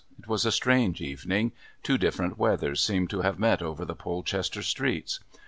It was a strange evening. Two different weathers seemed to have met over the Polchester streets.